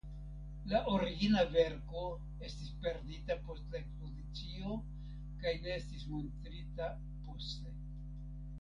La origina verko estis perdita post la ekspozicio kaj ne estis montrita poste.